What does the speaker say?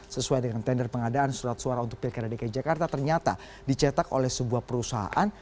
sesuai dengan tender pengadaan surat suara untuk pilkada dki jakarta ternyata dicetak oleh sebuah perusahaan